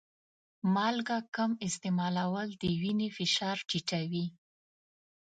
مالګه کم استعمالول د وینې فشار ټیټوي.